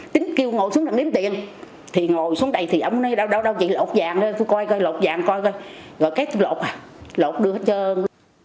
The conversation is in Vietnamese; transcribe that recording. tính kêu ngồi xuống là đếm tiền thì ngồi xuống đây thì ông nói đâu đâu đâu chị lột vàng thôi tôi coi coi lột vàng coi coi rồi kết lột à lột đưa hết trơn